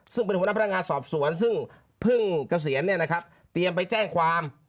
ซึ่งเป็นหัวหน้าพนักงานสอบสวนซึ่งเพิ่งเกษียณเตรียมไปแจ้งความ